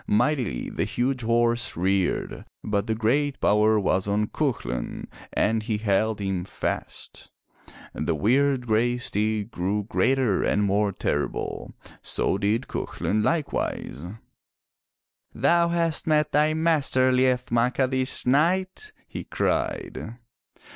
Mightily the huge horse reared, but great power was on Cuchulain and he held him fast. The weird gray steed grew greater and more terrible — so did Cuchulain likewise. 410 FROM THE TOWER WINDOW 'Thou hast met thy master, Liath Macha, this night!'' he cried.